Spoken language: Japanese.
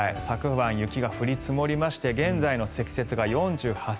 昨晩雪が降り積もりまして現在の積雪が４８ｃｍ。